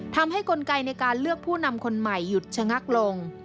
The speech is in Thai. กลไกในการเลือกผู้นำคนใหม่หยุดชะงักลง